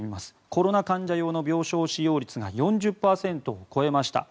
コロナ用の病床使用率が４０％を超えました。